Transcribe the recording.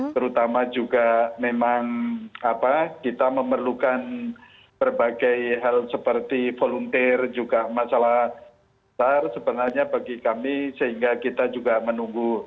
terutama juga memang kita memerlukan berbagai hal seperti volunteer juga masalah besar sebenarnya bagi kami sehingga kita juga menunggu